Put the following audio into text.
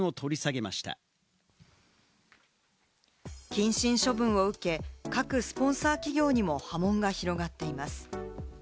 謹慎処分を受け、各スポンサー企業にも波紋が広がっています。